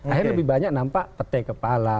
akhirnya lebih banyak nampak petai kepala